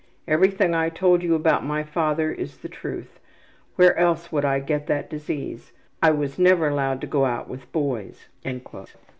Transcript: Everything I told you about my father is the truth. Where else would I get that disease? I was never allowed to go out with boys.''